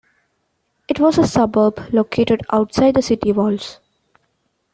It was a suburb, located outside the city walls.